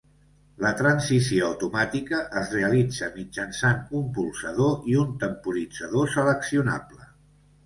La transició automàtica es realitza mitjançant un polsador i un temporitzador seleccionable.